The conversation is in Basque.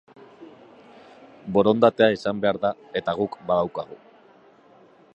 Borondatea izan behar da eta guk badaukagu.